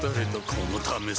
このためさ